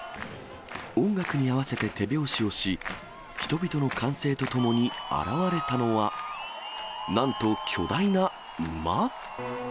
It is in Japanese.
音楽に合わせて手拍子をし、人々の歓声とともに現れたのは、なんと巨大な馬？